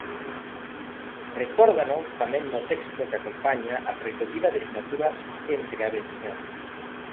Recórdano tamén no texto que acompaña a recollida de sinaturas entre a veciñanza.